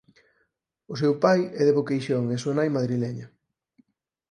O seu pai é de Boqueixón e a súa nai madrileña.